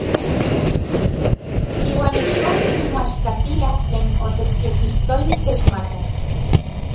Iuan ijkon kimoaxkatiaj tlen otechyekijtolij techmakas.